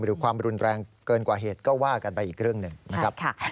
ความรุนแรงเกินกว่าเหตุก็ว่ากันไปอีกเรื่องหนึ่งนะครับ